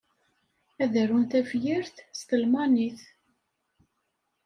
Ad arun tafyirt s tlalmanit.